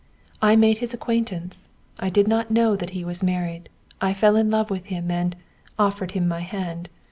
I made his acquaintance; I did not know that he was married; I fell in love with him, and offered him my hand.